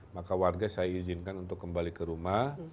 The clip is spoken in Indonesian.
maka warga saya izinkan untuk kembali ke rumah